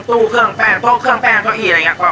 ตู้เครื่องแป้งโต๊ะเครื่องแป้งเก้าอี้อะไรอย่างนี้